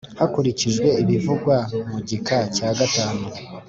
hakurikijwe ibivugwa mu gika cya gatanu